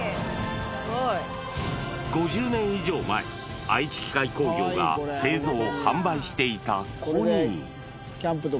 ５０年以上前、愛知機械工業が製造・販売していたコニー。